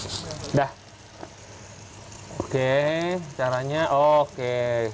sudah oke caranya oke